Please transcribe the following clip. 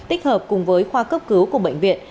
tích hợp cùng với khoa cấp cứu của bệnh viện